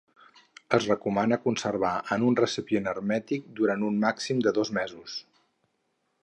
Es recomana conservar en un recipient hermètic durant un màxim de dos mesos.